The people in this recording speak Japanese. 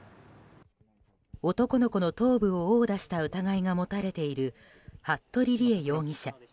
男の子の頭部を殴打した疑いが持たれている服部理江容疑者。